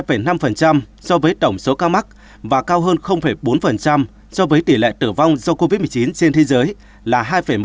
tỉ lệ hai năm so với tổng số ca mắc và cao hơn bốn so với tỉ lệ tử vong do covid một mươi chín trên thế giới là hai một